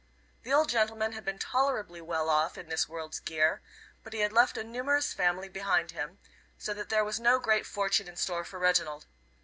The old gentleman had been tolerably well off in this world's gear, but he had left a numerous family behind him, so that there was no great fortune in store for Reginald.